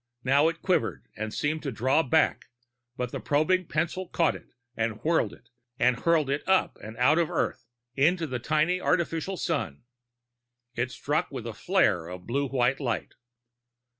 Now it quivered and seemed to draw back, but the probing pencil caught it, and whirled it, and hurled it up and out of Earth, into the tiny artificial sun. It struck with a flare of blue white light.